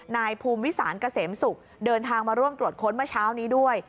นายภูมิวิสานเกษมศุกร์เดินทางมาร่วมตรวจค้นเมื่อเช้านี้ด้วย